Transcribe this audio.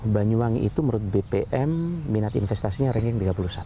dua ribu sepuluh banyuwangi itu menurut bpm minat investasinya renggeng tiga puluh satu